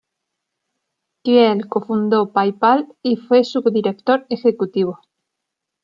Thiel cofundó PayPal y fue su director ejecutivo.